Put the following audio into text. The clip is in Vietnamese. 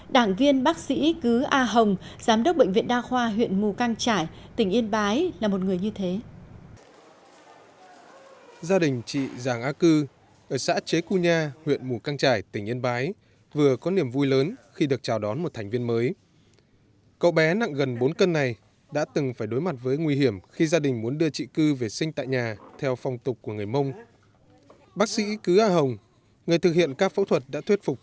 đảng viên bác sĩ cứ a hồng giám đốc bệnh viện đa khoa huyện mù căng trải tỉnh yên bái là một người như thế